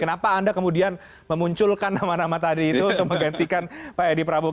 kenapa anda kemudian memunculkan nama nama tadi itu untuk menggantikan pak edi prabowo